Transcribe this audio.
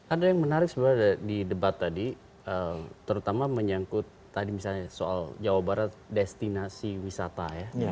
ada yang menarik sebenarnya di debat tadi terutama menyangkut tadi misalnya soal jawa barat destinasi wisata ya